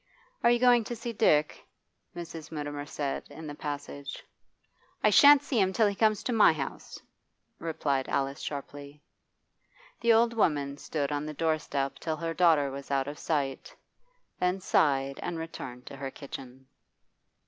'Are you going to see Dick?' Mrs. Mutimer said, in the passage. 'I shan't see him till he comes to my house,' replied Alice sharply. The old woman stood on the doorstep till her daughter was out of sight, then sighed and returned to her kitchen.